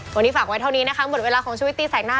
วันนี้ฝากไว้เท่านี้นะคะหมดเวลาของชุวิตตีแสงหน้า